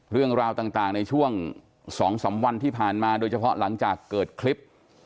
เรื่องราวต่างในช่วง๒๓วันที่ผ่านมาโดยเฉพาะหลังจากเกิดคลิป